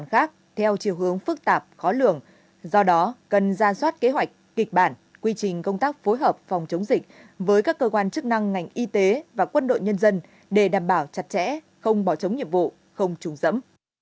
phối hợp phòng chống dịch với các cơ quan chức năng ngành y tế và quân đội nhân dân để đảm bảo chặt chẽ không bỏ chống nhiệm vụ không trùng dẫm